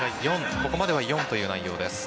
ここまでは４という内容です。